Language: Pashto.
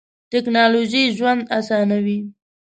ټیکنالوژی ژوند اسانوی.